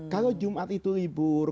kalau jumat itu libur